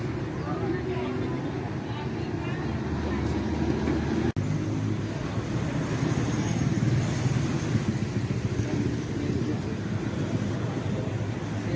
ตอนนี้กำหนังไปคุยของผู้สาวว่ามีคนละตบ